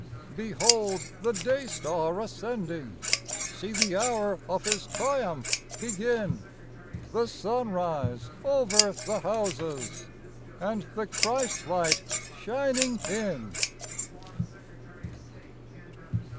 Behold the Day Star ascending ! See the hour of His triumph begin !, The sunrise over the houses ! And the Christ light shining in